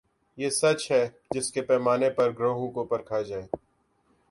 یہ سچ ہے جس کے پیمانے پر گروہوں کو پرکھا جائے گا۔